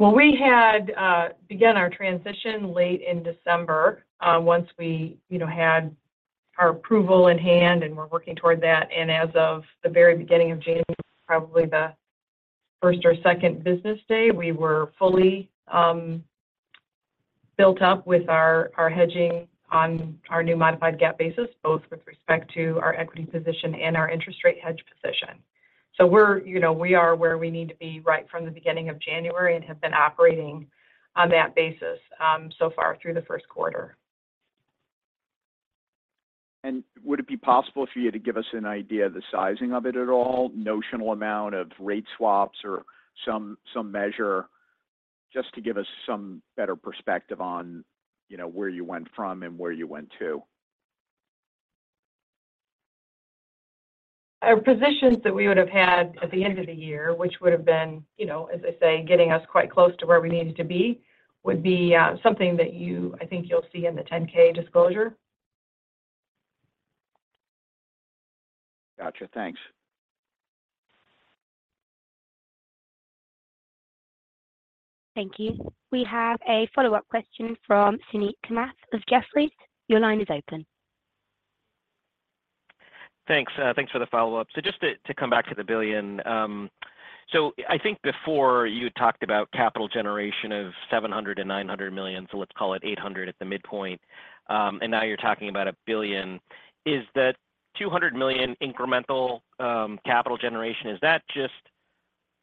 Speaker 4: Well, we had begun our transition late in December once we had our approval in hand and were working toward that. And as of the very beginning of January, probably the first or second business day, we were fully built up with our hedging on our new modified GAAP basis, both with respect to our equity position and our interest rate hedge position. So we are where we need to be right from the beginning of January and have been operating on that basis so far through the first quarter.
Speaker 7: And would it be possible for you to give us an idea of the sizing of it at all, notional amount of rate swaps or some measure, just to give us some better perspective on where you went from and where you went to?
Speaker 4: Our positions that we would have had at the end of the year, which would have been, as I say, getting us quite close to where we needed to be, would be something that I think you'll see in the 10-K disclosure.
Speaker 7: Gotcha. Thanks.
Speaker 1: Thank you. We have a follow-up question from Suneet Kamath of Jefferies. Your line is open.
Speaker 6: Thanks. Thanks for the follow-up. So just to come back to the billion. So I think before you had talked about capital generation of $700-$900 million, so let's call it $800 million at the midpoint, and now you're talking about $1 billion. Is that $200 million incremental capital generation, is that just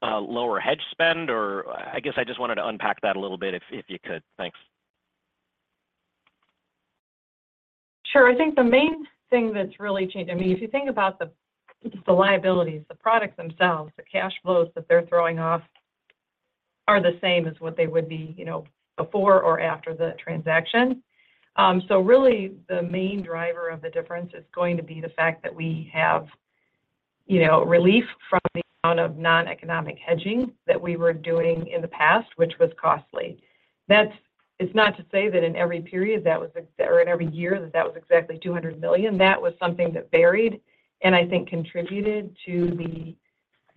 Speaker 6: lower hedge spend? Or I guess I just wanted to unpack that a little bit if you could. Thanks.
Speaker 4: Sure. I think the main thing that's really changed, I mean, if you think about the liabilities, the products themselves, the cash flows that they're throwing off are the same as what they would be before or after the transaction. So really, the main driver of the difference is going to be the fact that we have relief from the amount of non-economic hedging that we were doing in the past, which was costly. It's not to say that in every period or in every year that that was exactly $200 million. That was something that varied and I think contributed to the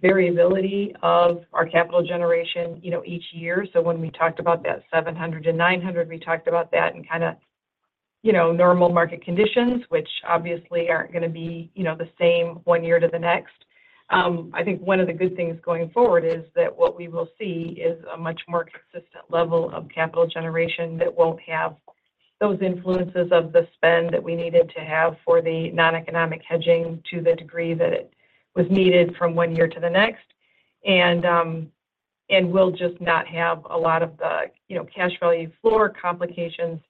Speaker 4: variability of our capital generation each year. So when we talked about that $700 million and $900 million, we talked about that and kind of normal market conditions, which obviously aren't going to be the same one year to the next. I think one of the good things going forward is that what we will see is a much more consistent level of capital generation that won't have those influences of the spend that we needed to have for the non-economic hedging to the degree that it was needed from one year to the next. And we'll just not have a lot of the cash value floor complications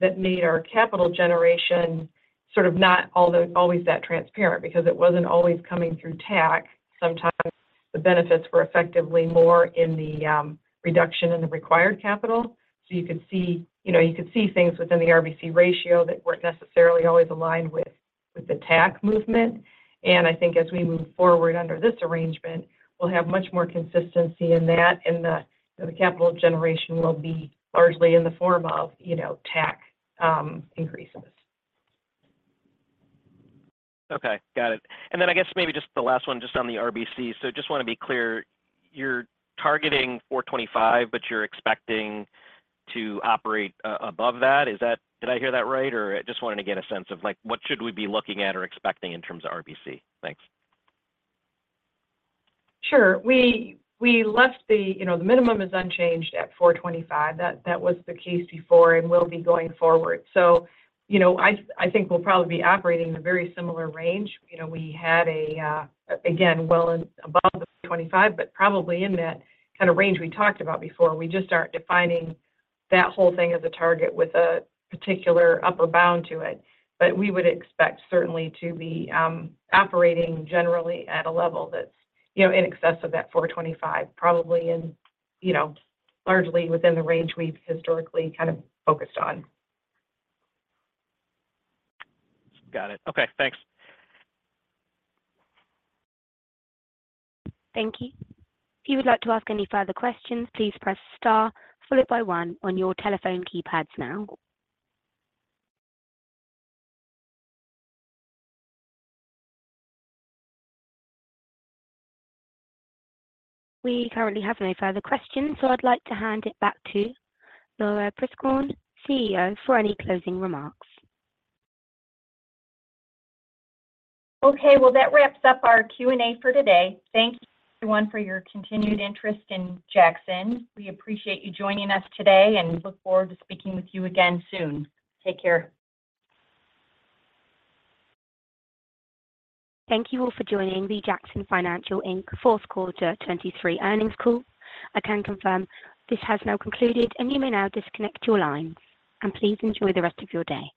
Speaker 4: that made our capital generation sort of not always that transparent because it wasn't always coming through TAC. Sometimes the benefits were effectively more in the reduction in the required capital. So you could see things within the RBC ratio that weren't necessarily always aligned with the TAC movement. And I think as we move forward under this arrangement, we'll have much more consistency in that, and the capital generation will be largely in the form of TAC increases.
Speaker 6: Okay. Got it. And then I guess maybe just the last one, just on the RBC. So I just want to be clear. You're targeting 425, but you're expecting to operate above that. Did I hear that right? Or, I just wanted to get a sense of what should we be looking at or expecting in terms of RBC? Thanks.
Speaker 4: Sure. We left the minimum is unchanged at 425. That was the case before and will be going forward. So, I think we'll probably be operating in a very similar range. We had, again, well above the 425, but probably in that kind of range we talked about before. We just aren't defining that whole thing as a target with a particular upper bound to it. But we would expect certainly to be operating generally at a level that's in excess of that 425, probably largely within the range we've historically kind of focused on.
Speaker 6: Got it. Okay. Thanks.
Speaker 1: Thank you. If you would like to ask any further questions, please press star, followed by one, on your telephone keypads now. We currently have no further questions, so I'd like to hand it back to Laura Prieskorn, CEO, for any closing remarks.
Speaker 3: Okay. Well, that wraps up our Q&A for today. Thank you, everyone, for your continued interest in Jackson. We appreciate you joining us today and look forward to speaking with you again soon. Take care.
Speaker 1: Thank you all for joining the Jackson Financial Inc Fourth Quarter 2023 Earnings Call. I can confirm this has now concluded, and you may now disconnect your lines. Please enjoy the rest of your day.